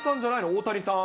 大谷さん。